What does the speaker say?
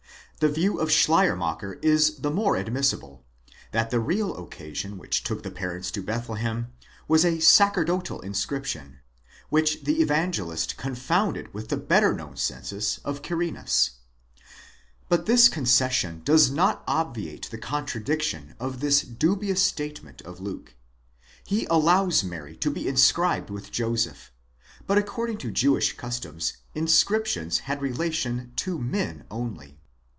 24 The view of Schleiermacher is the more admissible, that the real occasion which took the parents to Bethlehem was a sacerdotal inscription, which the Evangelist confounded with the better known census of Quirinus. But this concession does not obviate the contradiction in this dubious statement of Luke. He allows Mary to be inscribed with Joseph, but according to Jewish customs inscriptions had relation to men only.